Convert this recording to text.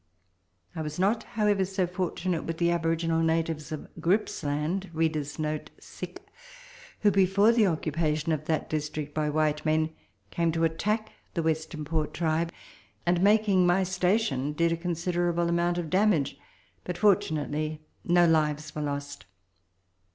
I was not, however, so fortunate with the aboriginal natives of Grippsland, who, before the occupation of that district by white men, came to attack the Western Port tribe, and, making my station, did a considerable amount of damage ; but fortunately, no lives Avere lost.